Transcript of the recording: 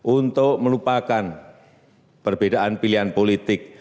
untuk melupakan perbedaan pilihan politik